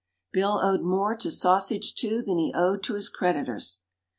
Bill owed more to Sausage II. than he owed to his creditors.